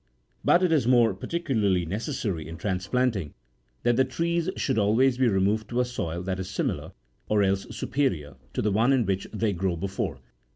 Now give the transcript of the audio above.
But it is more particularly necessary in transplanting, that the trees should always be removed to a soil that is similar, or else superior,64 to the one in which they grew before.